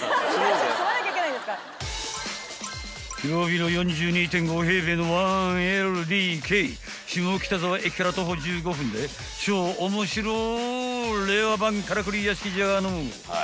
［広々４２．５平米の１ＬＤＫ］［下北沢駅から徒歩１５分で超面白令和版からくり屋敷じゃがのう］